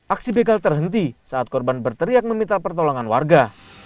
aksi begal terhenti saat korban berteriak meminta pertolongan warga